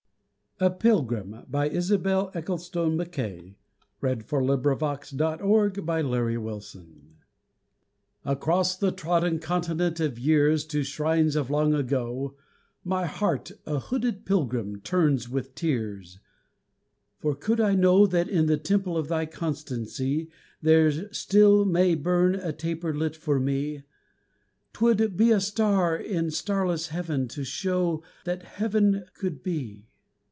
the calling sea, I know whose kiss was in the wind O jailer, set me free!" A Pilgrim ACROSS the trodden continent of years To shrines of long ago, My heart, a hooded pilgrim, turns with tears For could I know That in the temple of thy constancy There still may burn a taper lit for me, 'Twould be a star in starless heaven, to show That Heaven could be.